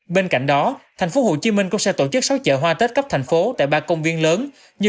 bên cạnh đó tp hcm cũng sẽ tổ chức sáu chợ hoa tết cấp thành phố tại ba công viên lớn như